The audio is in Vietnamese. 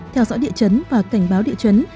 theo dõi địa chấn và cảnh báo địa chấn